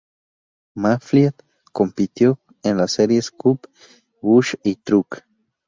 Mayfield compitió en las series Cup, Busch y Truck.